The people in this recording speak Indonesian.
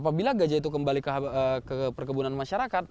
apabila gajah itu kembali ke perkebunan masyarakat